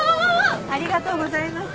ありがとうございます。